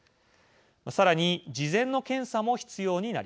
さらに事前の検査も必要になります。